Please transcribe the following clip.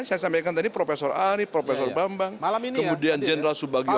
saya sampaikan tadi prof arief profesor bambang kemudian jenderal subagio